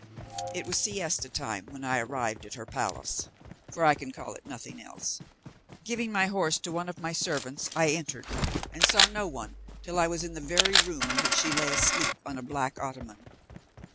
It was siesta time when I arrived at her palace (for I can call it nothing else): giving my horse to one of my servants, I entered, and saw no one till I was in the very room in which she lay asleep on a black ottoman.